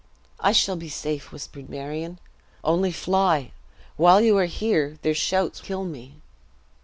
"I shall be safe," whispered Marion; "only fly while you are here, their shouts kill me."